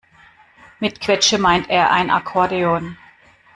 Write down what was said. Mit Quetsche meint er ein Akkordeon.